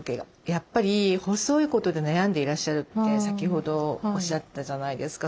やっぱり細いことで悩んでいらっしゃるって先ほどおっしゃってたじゃないですか。